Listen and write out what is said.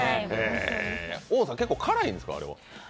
大野さん、結構、辛いんですか、あれは？